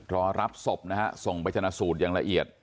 รอรับศพนะฮะส่งไปชนะสูตรอย่างละเอียด